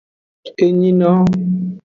Enyino.